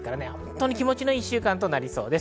気持ちの良い１週間となりそうです。